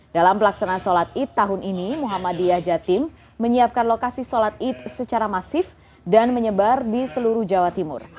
dalam pelaksanaan salat idul adha tahun ini muhammadiyah jatim menyiapkan lokasi salat idul adha secara masif dan menyebar di seluruh jawa timur